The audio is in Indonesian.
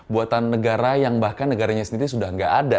buatan negara yang bahkan negaranya sendiri sudah tidak ada